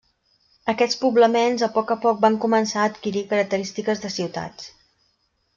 Aquests poblaments a poc a poc van començar a adquirir característiques de ciutats.